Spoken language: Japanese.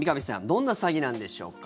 どんな詐欺なんでしょうか？